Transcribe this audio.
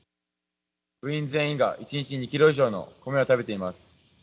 部員全員が、１日２ｋｇ以上の米を食べています。